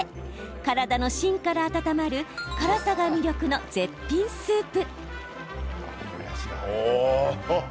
体の芯から温まる辛さが魅力の絶品スープ。